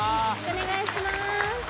お願いします。